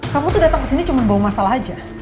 kamu datang kesini cuma bawa masalah aja